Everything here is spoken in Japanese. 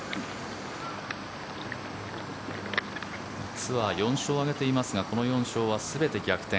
ツアー４勝を挙げていますがこの４勝は全て逆転